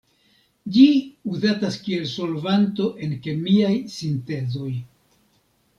Ĝi uzatas kiel solvanto en kemiaj sintezoj.